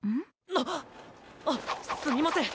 あっ！あっすみません